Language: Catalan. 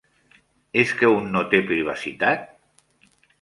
Es que un no té privacitat?